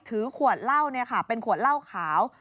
ถือขวดเหล้าเป็นขวดเหล้าขาว